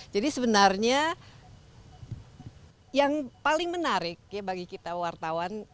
jadi sebenarnya yang paling menarik bagi kita wartawan